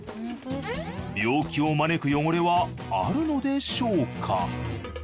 病気を招く汚れはあるのでしょうか？